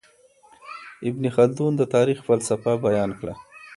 ابن خلدون د تاريخ فلسفه بيان کړه.